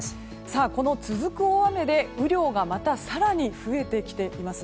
この続く大雨で雨量がまた更に増えてきています。